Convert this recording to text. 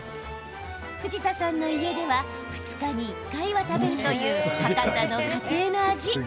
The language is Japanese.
藤田さんの家では２日に１回は食べるという博多の家庭の味。